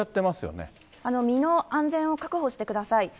身の安全を確保してください。